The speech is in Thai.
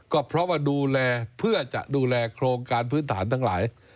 ก็เพราะว่าดูแลเพื่อจะดูแลโครงการพื้นฐานทั้งหลาย